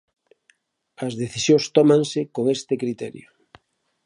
As decisións tómanse con este criterio.